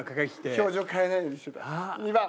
表情変えないようにしてた２番！